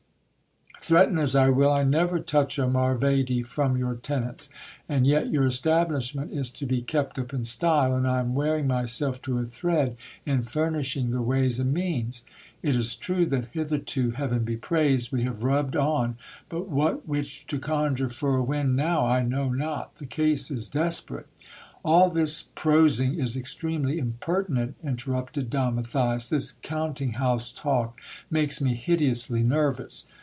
Threaten as I will, I never touch a marvedi from your tenants. And yet your establishment is to be kept up in style, and I am wearing myself to a thread in furnishing the ways and means. It is true that hitherto, heaven be praised, we have rubbed on, but what witch to conjure for a wind now, I know not, the case is desperate." "All this prosing is extremely impertinent)' interrupted Don Matthias; "this counting house talk makes me hideously nervous.